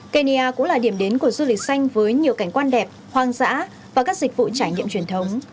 kenya cũng là điểm đến của du lịch xanh với nhiều cảnh quan đẹp hoang dã và các dịch vụ trải nghiệm truyền thống